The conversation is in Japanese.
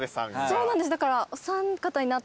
そうなんですだから。